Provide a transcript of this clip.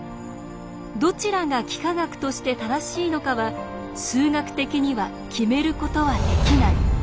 どちらが幾何学として正しいのかは数学的には決めることはできない。